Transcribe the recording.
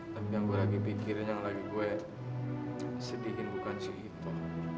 tapi saya sedang berpikir yang sedihkan saya bukan itu